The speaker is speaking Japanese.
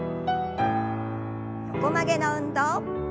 横曲げの運動。